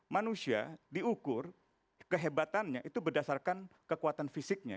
manusia diukur kehebatannya itu berdasarkan kekuatan fisiknya